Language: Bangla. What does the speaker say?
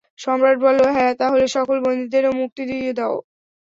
সম্রাট বলল, হ্যাঁ, তাহলে সকল বন্দীদেরও মুক্তি দিয়ে দিব।